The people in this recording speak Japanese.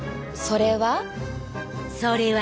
それは。